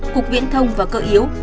cục viễn thông và cơ yếu